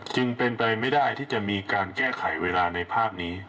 จึงเป็นไปไม่ได้ที่จะมีการแก้ไขเวลาในภาพนี้